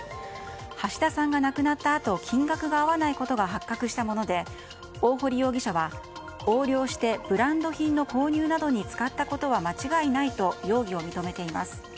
橋田さんが亡くなったあと金額が合わないことが発覚したもので大堀容疑者は横領してブランド品の購入などに使ったことは間違いないと容疑を認めています。